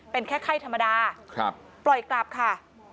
เป็นแค่ไข้ธรรมดาปล่อยกลับค่ะ